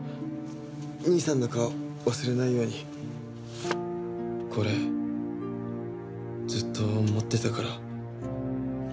兄さんの顔忘れないようにこれずっと持ってたから。